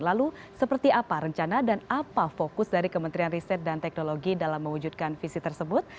lalu seperti apa rencana dan apa fokus dari kementerian riset dan teknologi dalam mewujudkan visi tersebut